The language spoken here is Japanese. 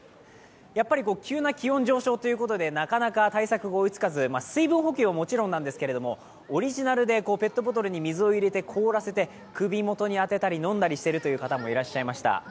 急な気温上昇ということで、なかなか対策が追いつかず、水分補給はもちろんなんですけれどもオリジナルでペットボトルに水を入れて、凍らせて首もとに当てたり、飲んだりしている方もいらっしゃいました。